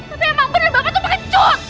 tapi emang bener bapak tuh pengecut